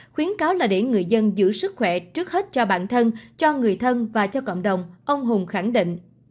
khuyến cáo là để người dân giữ sức khỏe trước hết cho bản thân cho người thân và cho cộng đồng ông hùng khẳng định